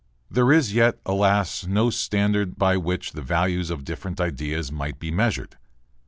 There is as yet, alas! no standard by which the values of different ideas might be measured.